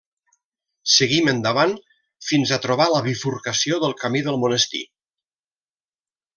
Seguim endavant fins a trobar la bifurcació del camí del monestir.